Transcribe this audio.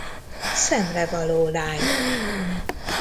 Szemrevaló lány!